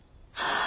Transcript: ああ。